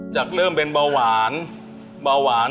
จากเริ่มเป็นเบาหวาน